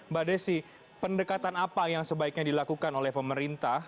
mbak desi pendekatan apa yang sebaiknya dilakukan oleh pemerintah